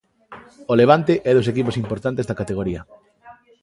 O Levante é dos equipos importantes da categoría.